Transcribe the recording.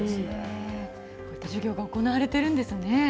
こういった授業が行われているんですね。